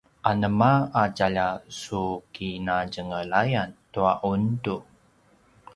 anema a tjaljasukinatjenglayan tua ’undu?